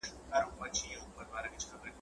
تر ژوندیو مو د مړو لوی قوت دی `